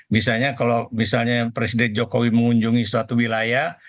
misalnya kalau misalnya presiden jokowi mengunjungi suatu wilayah